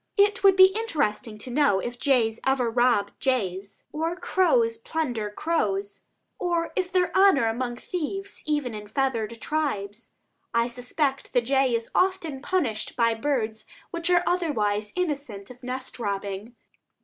It would be interesting to know if jays ever rob jays, or crows plunder crows; or is there honor among thieves even in the feathered tribes? I suspect the jay is often punished by birds which are otherwise innocent of nest robbing.